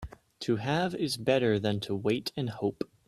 To have is better than to wait and hope.